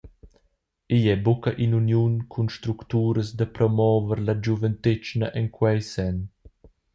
Igl ei buca ina uniun cun structuras da promover la giuventetgna en quei senn.